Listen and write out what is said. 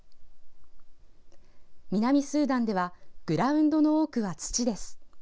南スーダンではグラウンドの多くは土です。